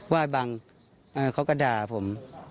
ว่าไอบังเขาก็ด่าผม